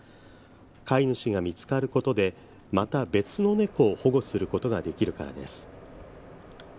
飼い主が見つかることでまた別の猫を保護することができるからです。